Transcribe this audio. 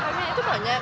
sarimin itu banyak